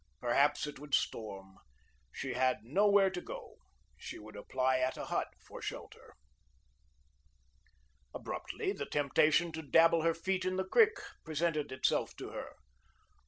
Perhaps it would storm. She had nowhere to go. She would apply at a hut for shelter. Abruptly, the temptation to dabble her feet in the creek presented itself to her.